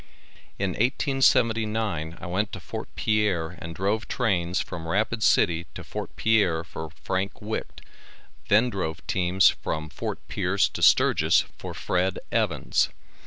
In 1879 I went to Fort Pierre and drove trains from Rapid city to Fort Pierre for Frank Wite then drove teams from Fort Pierce to Sturgis for Fred. Evans.